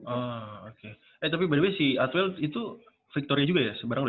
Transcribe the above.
oh oke eh tapi by the way si atwell itu victoria juga ya semarang lu ya